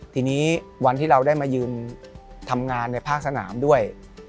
ทีนี้วันที่เราได้มายืนทำงานในภาคสนามด้วย